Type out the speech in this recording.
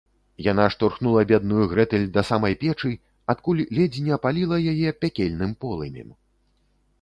- Яна штурхнула бедную Грэтэль да самай печы, адкуль ледзь не апаліла яе пякельным полымем